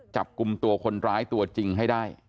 จับกลุ่มตัวคนร้ายตัวจริงให้ได้